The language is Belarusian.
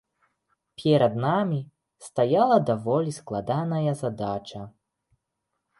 Перад намі стаяла даволі складаная задача.